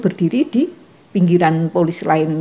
berdiri di pinggiran polisi lain